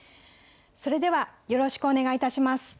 それではよろしくお願い致します。